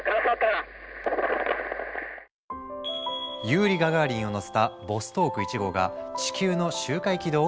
ユーリイ・ガガーリンを乗せたボストーク１号が地球の周回軌道を一周。